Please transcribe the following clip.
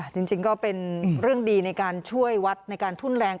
จริงก็เป็นเรื่องดีในการช่วยวัดในการทุ่นแรง